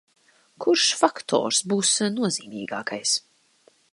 Kurš faktors būs nozīmīgākais?